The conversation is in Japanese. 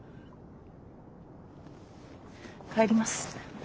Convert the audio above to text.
帰ります。